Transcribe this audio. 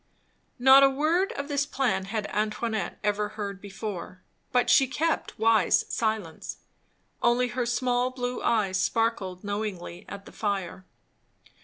Not a word of this plan had Antoinette ever heard before, but she kept wise silence; only her small blue eyes sparkled knowingly at the fire.